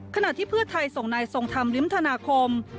ขณะที่เพื่อไทยส่งนายทรงธรรมริมธนาคม